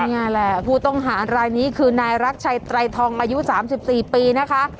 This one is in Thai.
นี่แหละผู้ต้องหารายนี้คือนายรักชัยไตรทองอายุ๓๔ปีนะคะ